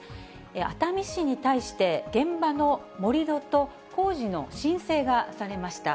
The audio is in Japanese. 熱海市に対して、現場の盛り土と工事の申請がされました。